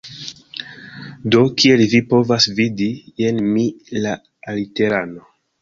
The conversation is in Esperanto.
Do, kiel vi povas vidi, jen mi, la aliterano